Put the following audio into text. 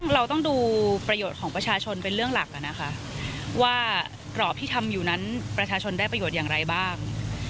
เราต้องดูประโยชน์ของประชาชนเป็นเรื่องหลักนะคะว่ากรอบที่ทำอยู่นั้นประชาชนได้ประโยชน์อย่างไรบ้าง